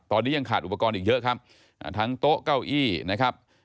ตอนนี้ยังขาดอุปกรณ์อีกเยอะครับทั้งโต๊ะเก้าอี้นะครับ